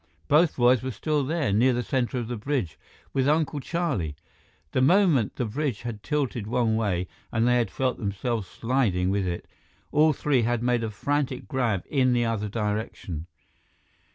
Both boys were still there, near the center of the bridge, with Uncle Charlie! The moment the bridge had tilted one way and they had felt themselves sliding with it, all three had made a frantic grab in the other direction.